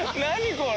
これ。